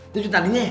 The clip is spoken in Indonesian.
itu cuman tadi ya